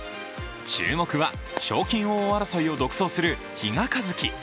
注目は賞金王争いを独走する比嘉一貴。